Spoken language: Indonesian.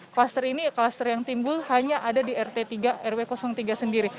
kluster ini kluster yang timbul hanya ada di rt tiga rw tiga sendiri